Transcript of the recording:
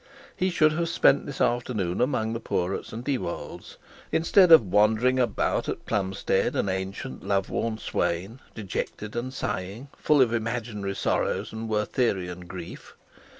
He should have spent the afternoon among the poor at St Ewold's, instead of wandering about Plumstead, an ancient love lorn swain, dejected and sighing, full of imaginary sorrows and Wertherian grief.